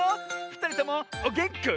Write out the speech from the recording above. ふたりともおげんこ？